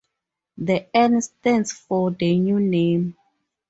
The N stands for the new name.